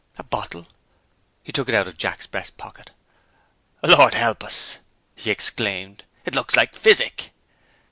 "A bottle?" He took it out of Jack's breast pocket. "Lord help us!" he exclaimed; "it looks like physic!"